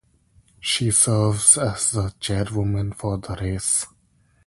She serves as the chairwoman for the race.